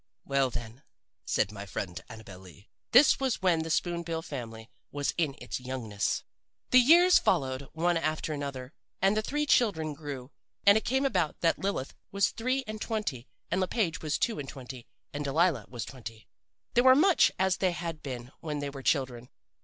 "Well, then," said my friend Annabel Lee, "this was when the Spoon bill family was in its youngness. "The years followed one after another, and the three children grew. And it came about that Lilith was three and twenty, and Le Page was two and twenty, and Delilah was twenty. "They were much as they had been when they were children.